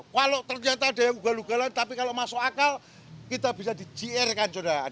walau ternyata ada yang ugal ugalan tapi kalau masuk akal kita bisa di gr kan